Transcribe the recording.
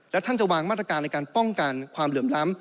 และท่านจะวางมาตรการในการป้องกันความเหลื่อมล้ำ